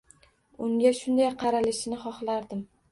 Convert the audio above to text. Unga shunday qaralishini xohlardim.